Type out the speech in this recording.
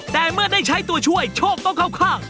แต่เมื่อได้ใช้ตัวช่วยโชคต้องเข้าข้าง